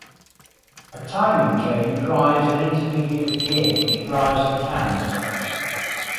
A timing chain drives an intermediate gear, which drives the cams.